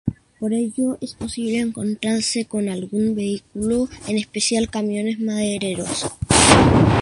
Por ello es posible encontrarse con algún vehículo, en especial camiones madereros.